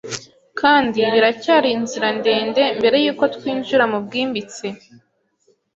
Kandi biracyari inzira ndende mbere yuko twinjira mubwimbitse